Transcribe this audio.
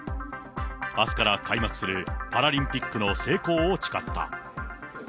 あすから開幕するパラリンピックの成功を誓った。